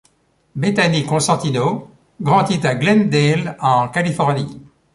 Bethany Cosentino grandit à Glendale, en Californie.